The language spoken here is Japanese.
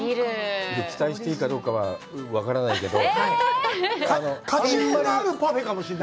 期待していいかは分からないけど。